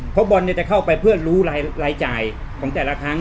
เพราะบอลจะเข้าไปเพื่อรู้รายจ่ายของแต่ละครั้ง